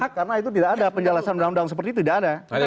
karena itu tidak ada penjelasan undang undang seperti itu tidak ada